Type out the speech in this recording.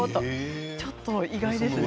ちょっと意外ですね。